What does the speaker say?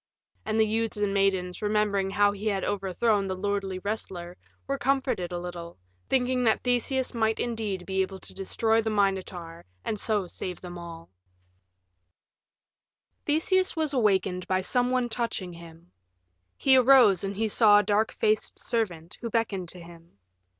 And the youths and maidens, remembering how he had overthrown the lordly wrestler, were comforted a little, thinking that Theseus might indeed be able to destroy the Minotaur and so save all of them. IV Theseus was awakened by some one touching him. He arose and he saw a dark faced servant, who beckoned to him.